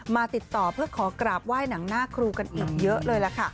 มาติดต่อเพื่อขอกราบไหว้หนังหน้าครูกันอีกเยอะเลยล่ะค่ะ